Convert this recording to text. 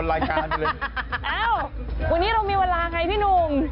วันนี้เรามีเวลาไงพี่หนุ่ม